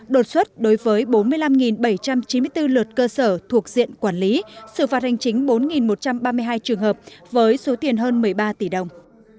đột xuất đối với bốn mươi năm bảy trăm chín mươi bốn lượt cơ sở thuộc diện quản lý xử phạt hành chính bốn một trăm ba mươi hai trường hợp với số tiền hơn một mươi ba tỷ đồng